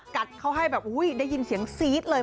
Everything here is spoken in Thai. กัดเค้าให้แบบอุ้ยได้ยินเสียงสีตเลย